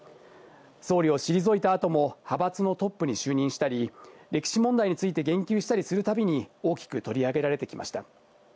総理を退いたあとも、派閥のトップに就任したり、歴史問題について言及したりするたびに、大きく取り上げられてきました。